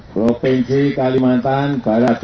provinsi kalimantan barat